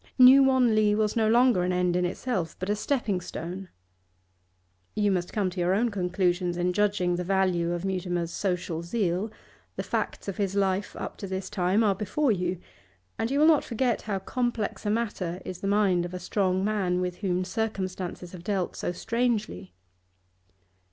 New Wanley was no longer an end in itself, but a stepping stone You must come to your own conclusions in judging the value of Mutimer's social zeal; the facts of his life up to this time are before you, and you will not forget how complex a matter is the mind of a strong man with whom circumstances have dealt so strangely.